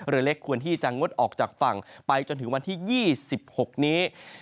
เรือเล็กควรที่จะงดออกจากฝั่งไปจนถึงวันที่๒๖นี้